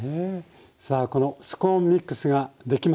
さあスコーンミックスができました。